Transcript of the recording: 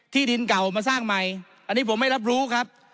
ดินเก่ามาสร้างใหม่อันนี้ผมไม่รับรู้ครับ